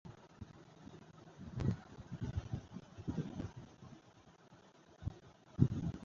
কিন্তু, তার কোন সন্তান ছিল না।